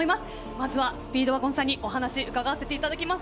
まずはスピードワゴンさんにお話うかがわせていただきます。